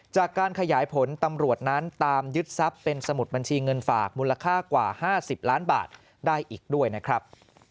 จากการขยายผลตำรวจนั้นตามยึดทรัพย์เป็นสมุดบัญชีเงินฝากมูลค่ากว่า๕๐ล้านบาทได้อีกด้วยนะครับ